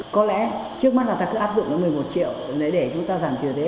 có lẽ trước mắt là ta cứ áp dụng một mươi một triệu để chúng ta giảm trừ thế